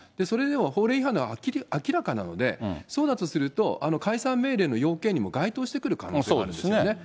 法令違反なのは明らかなので、そうだとすると、解散命令の要件にも該当してくる可能性があるんですね。